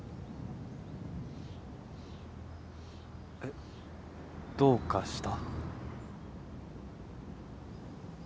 えっ？どうかした？